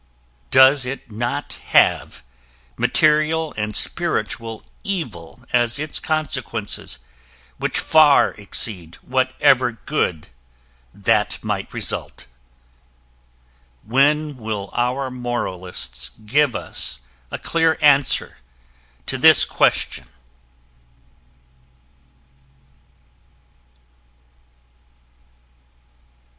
Does it not have material and spiritual evil as its consequences which far exceed whatever good that might result? When will our moralists give us a clear answer to this question?